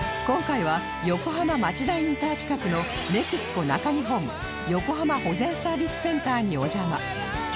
今回は横浜町田インター近くの ＮＥＸＣＯ 中日本横浜保全・サービスセンターにお邪魔